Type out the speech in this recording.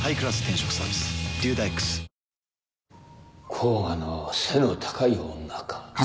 甲賀の背の高い女か。